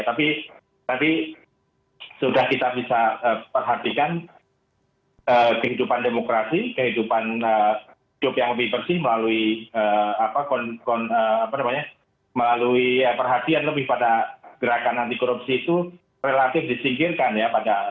tapi tadi sudah kita bisa perhatikan kehidupan demokrasi kehidupan hidup yang lebih bersih melalui perhatian lebih pada gerakan anti korupsi itu relatif disingkirkan ya